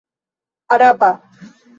araba